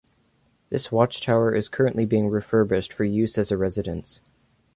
This watchtower is currently being refurbished for use as a residence.